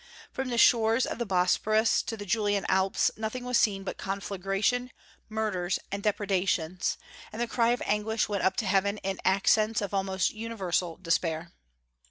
From the shores of the Bosporus to the Julian Alps nothing was seen but conflagration, murders, and depredations, and the cry of anguish went up to heaven in accents of almost universal despair.